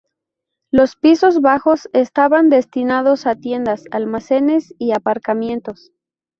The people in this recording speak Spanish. Los pisos bajos estaban destinados a tiendas, almacenes y aparcamientos.